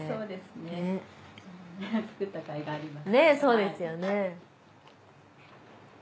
ねぇそうですよね。